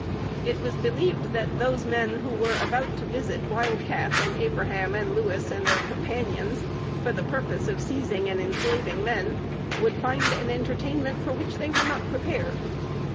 It was believed that those men who were about to visit Wild Cat and Abraham and Louis and their companions, for the purpose of seizing and enslaving men, would find an entertainment for which they were not prepared.